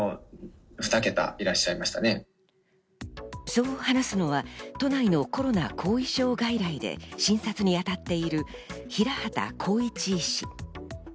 そう話すのは都内のコロナ後遺症外来で診察にあたっている平畑光一医師。